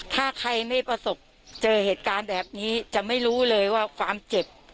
ถ้าใครไม่ประสบเจอเหตุการณ์แบบนี้จะไม่รู้เลยว่าความเจ็บ